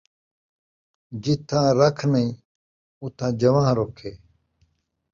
جتھاں رکھ نئیں، اُتھاں جوانہہ رُکھ ہے